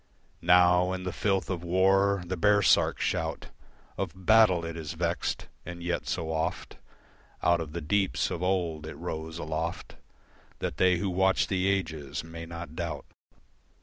Now in the filth of war, the baresark shout Of battle, it is vexed. And yet so oft Out of the deeps, of old, it rose aloft That they who watch the ages may not doubt.